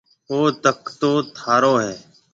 او تڪتو ٿارو هيَ